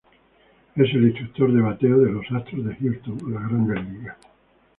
Es el instructor de bateo de los Astros de Houston en las Grandes Ligas.